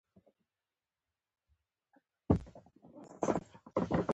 ځواب یې ورکړ، داسې کتابونه یې ماشومانو ته لیکل،